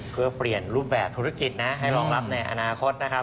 เพื่อเปลี่ยนรูปแบบธุรกิจนะให้รองรับในอนาคตนะครับ